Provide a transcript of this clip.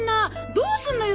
どうすんのよ？